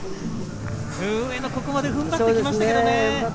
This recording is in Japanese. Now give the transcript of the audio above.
上野、ここまで踏ん張ってきましたけどね。